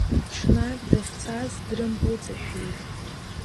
Ҽнак дахьцаз дрымпыҵашәеит.